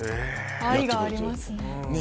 愛がありますね。